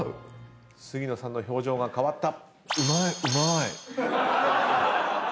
杉野さんの表情が変わった。